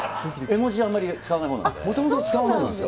絵文字あんまり使わないほうなんで。